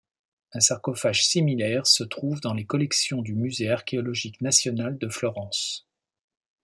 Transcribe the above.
Un sarcophage similaire se trouve dans les collections du musée archéologique national de Florence.